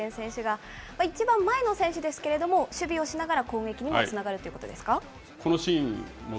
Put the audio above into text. その前田大然選手が、一番前の選手ですけれども、守備をしながら攻撃にもつながるということですか。